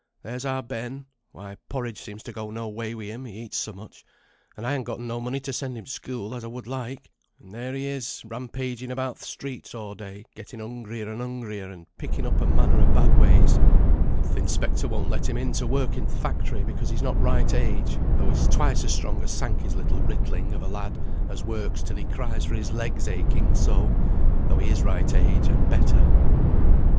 There's our Ben; why, porridge seems to go no way wi' him, he eats so much; and I han gotten no money to send him t' school, as I would like; and there he is, rampaging about th' streets a' day, getting hungrier and hungrier, and picking up a' manner o' bad ways; and th' inspector won't let him in to work in th' factory, because he's not right age; though he's twice as strong as Sankey's little ritling of a lad, as works till he cries for his legs aching so, though he is right age, and better."